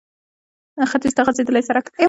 ختيځ ته غځېدلی سړک